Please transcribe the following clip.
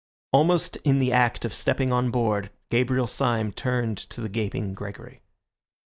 Almost in the act of stepping on board, Gabriel Syme turned to the gaping Gregory.